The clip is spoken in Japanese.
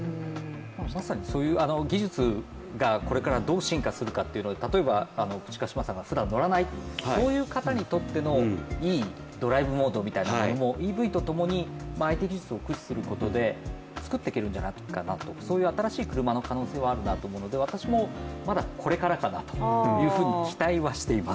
まさにそういう技術がこれからどう進化していくのかというのは、例えばプチ鹿島さんがふだん乗らないとそういう方にとって、いいドライブモードとか、ＥＶと共にＩＴ技術を駆使することで作っていけるんじゃないかなと、新しい車の可能性はあるなと思うので私も、まだこれからかなと期待はしています。